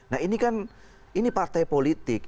nah ini kan ini partai politik